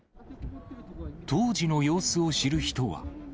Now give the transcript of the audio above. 当時の様子を知る人は。